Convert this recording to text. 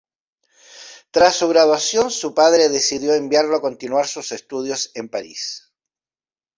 Tras su graduación su padre decidió enviarlo a continuar sus estudios en París.